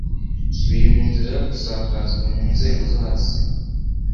biri mu nzira yo gusakazwa mu nzego zo hasi.